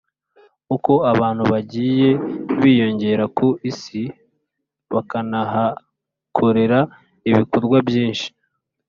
uko abantu bagiye biyongera ku isi bakanahakorera ibikorwa byinshi